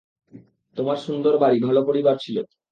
তোমার সুন্দর বাড়ি, ভালো পরিবার ছিল।